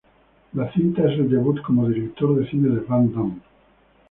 La cinta es el debut como director de cine de Van Damme.